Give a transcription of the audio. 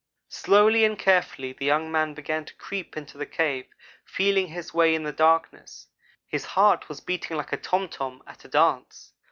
"Slowly and carefully the young man began to creep into the cave, feeling his way in the darkness. His heart was beating like a tom tom at a dance.